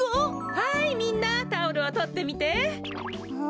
はいみんなタオルをとってみて。